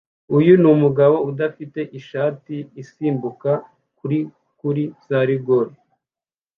Uyu numugabo udafite ishati isimbuka kuri kuri za rigore